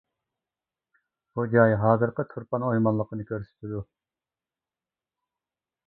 بۇ جاي ھازىرقى تۇرپان ئويمانلىقىنى كۆرسىتىدۇ.